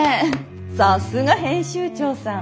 さすが編集長さん。